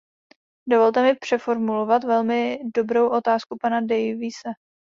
Dovolte mi přeformulovat velmi dobrou otázku pana Daviese.